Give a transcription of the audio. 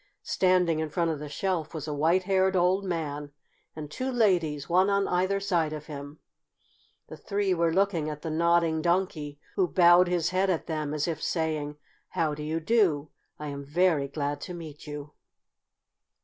Standing in front of the shelf was a white haired old man and two ladies, one on either side of him. The three were looking at the Nodding Donkey, who bowed his head at them as if saying: "How do you do? I am very glad to meet you!"